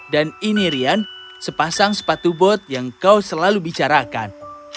dan ini rian sepasang sepatu bot yang kau selalu bicarakan